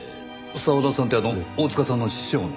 澤田さんってあの大塚さんの師匠の？